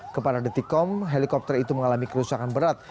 kepada detikom helikopter itu mengalami kerusakan berat